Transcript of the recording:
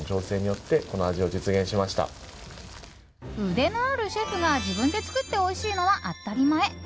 腕のあるシェフが自分で作っておいしいのは当たり前！